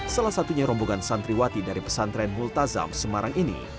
salah satunya rombongan santriwati dari pesantren multazam semarang ini